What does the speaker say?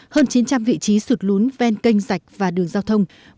hơn chín trăm linh vị trí sụt lún ven kênh dạch và đường giao thông